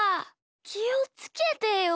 きをつけてよ。